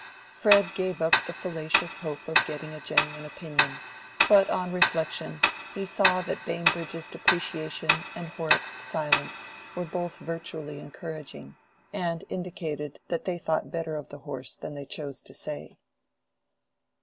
Fred gave up the fallacious hope of getting a genuine opinion; but on reflection he saw that Bambridge's depreciation and Horrock's silence were both virtually encouraging, and indicated that they thought better of the horse than they chose to say.